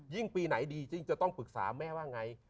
ยิ่งปีไหนดีจะต้องปรึกษาแม่ว่าไง